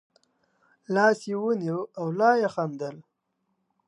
لاس یې ونیو او لا یې خندل.